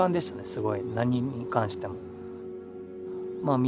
すごい何に関しても。